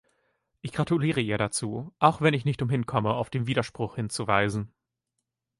Ich gratuliere ihr dazu, auch wenn ich nicht umhin komme, auf den Widerspruch hinzuweisen.